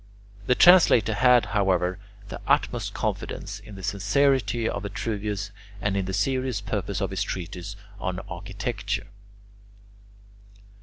The translator had, however, the utmost confidence in the sincerity of Vitruvius and in the serious purpose of his treatise on architecture.